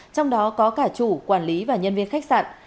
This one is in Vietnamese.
trong đó có cả chủ quản lý và nhân viên khách sạn